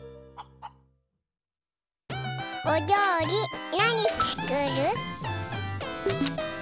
おりょうりなにつくる？